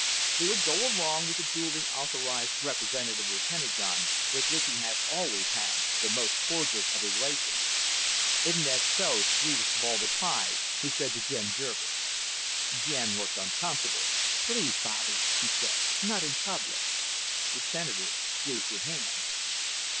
He would go along with the duly authorized representative of the Pentagon, with which he had always had the most cordial of relations. "Isn't that so, sweetest of all the pies?" he said to Jen Jervis. Jen looked uncomfortable. "Please, Bobby," she said. "Not in public." The Senator squeezed her hand.